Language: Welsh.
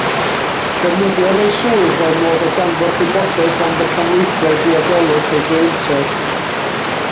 Defnyddiodd ei swydd fel modd o ganfod gwybodaeth am fecanweithiau diogelwch ei gleientiaid.